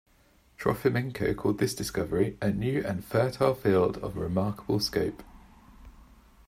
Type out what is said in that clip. Trofimenko called this discovery "a new and fertile field of remarkable scope".